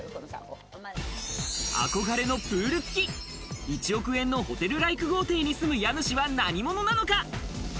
憧れのプール付き１億円のホテルライク豪邸に住む家主は何者なのか？